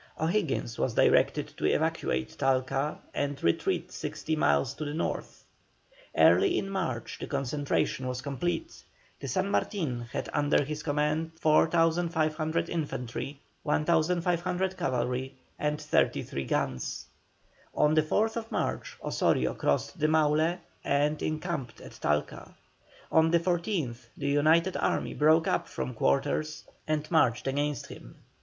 O'Higgins was directed to evacuate Talca and retreat sixty miles to the north. Early in March the concentration was complete, and San Martin had under his command 4,500 infantry, 1,500 cavalry and thirty three guns. On the 4th March, Osorio crossed the Maule and encamped at Talca. On the 14th the united army broke up from quarters and marched against him.